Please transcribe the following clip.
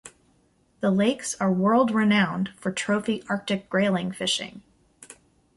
The lakes are world-renowned for trophy Arctic grayling fishing.